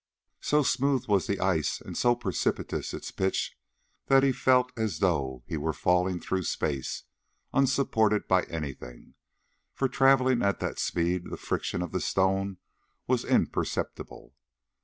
So smooth was the ice and so precipitous its pitch that he felt as though he were falling through space, unsupported by anything, for travelling at that speed the friction of the stone was imperceptible.